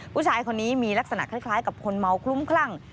ผู้ชายคนนี้มีลักษณะคล้ายกับคนเมาคลุ้มคลั่ง